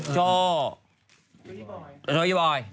โจยบอย